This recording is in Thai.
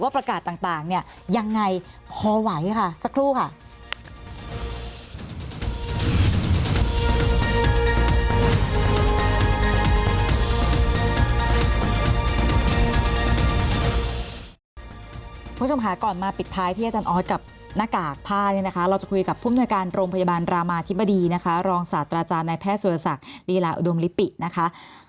คุณผู้ชมค่ะก่อนมาปิดท้ายที่อาจารย์ออสกับหน้ากากผ้าเนี่ยนะคะเราจะคุยกับผู้มนุยการโรงพยาบาลรามาธิบดีนะคะรองศาสตราจารย์ในแพทย์สุรศักดิ์ลีลาอุดมลิปินะคะ